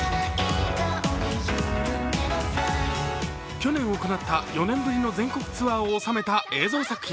去年行った４年ぶりの全国ツアーを収めた映像作品。